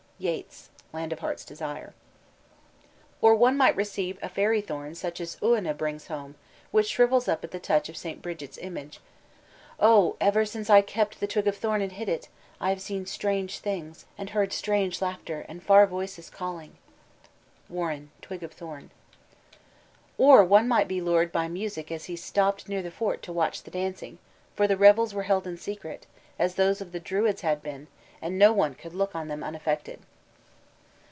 YEATS: Land of Heart's Desire. or one might receive a fairy thorn such as Oonah brings home, which shrivels up at the touch of St. Bridget's image; "Oh, ever since I kept the twig of thorn and hid it, I have seen strange things, and heard strange laughter and far voices calling." WARREN: Twig of Thorn. or one might be lured by music as he stopped near the fort to watch the dancing, for the revels were held in secret, as those of the Druids had been, and no one could look on them unaffected.